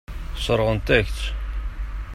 Sseṛɣen-ak-tt.